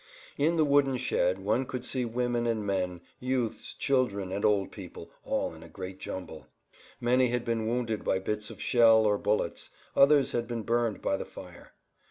In the wooden shed one could see women and men, youths, children and old people, all in a great jumble. Many had been wounded by bits of shell or bullets; others had been burned by the fire.